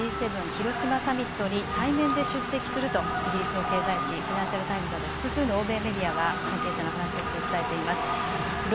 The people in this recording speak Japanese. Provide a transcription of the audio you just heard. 広島サミットに対面で出席するとイギリスの経済紙、フィナンシャル・タイムズなど複数の欧米メディアは関係者の話として伝えています。